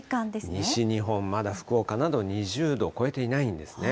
西日本、まだ福岡など、２０度超えていないんですね。